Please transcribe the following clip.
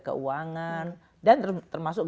keuangan dan termasuk